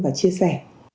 và chia sẻ